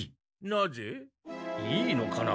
なぜ？いいのかな？